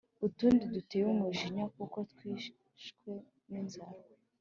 utundi duteye umujinya kuko twishwe ninzara